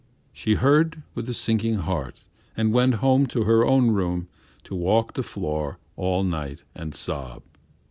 She heard with a sinking heart and went home to her own room to walk the floor all night and sob.